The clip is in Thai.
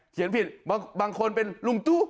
เขียนผิดบางคนเป็นลุงตู้